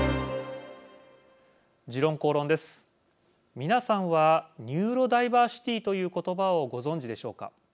皆さんはニューロダイバーシティという言葉をご存じでしょうか。